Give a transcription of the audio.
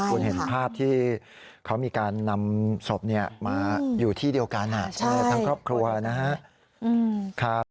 คุณเห็นภาพที่เขามีการนำศพมาอยู่ที่เดียวกันทั้งครอบครัวนะครับ